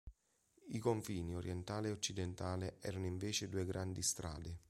I confini orientale e occidentale erano invece due grandi strade.